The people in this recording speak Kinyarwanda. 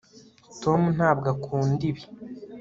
tom ntabwo akunda ibi